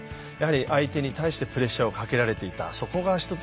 相手に対して、プレッシャーをかけられていたそこが一つ